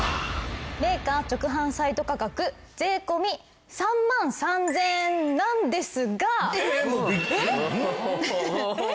メーカー直販サイト価格税込３万３０００円なんですが。えっ！？